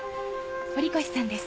堀越さんです。